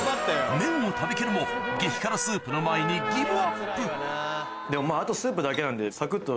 麺を食べきるも激辛スープの前にでもあと。